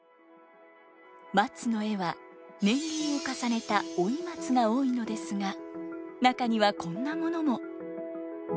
松の絵は年輪を重ねた老松が多いのですが中にはこんなものも。